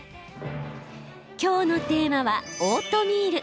きょうのテーマはオートミール。